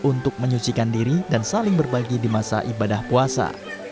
untuk menyucikan diri dan saling berbagi di masa ibadah puasa